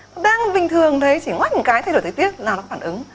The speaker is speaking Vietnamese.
nó đang bình thường thế chỉ ngoách một cái thay đổi thời tiết là nó có phản ứng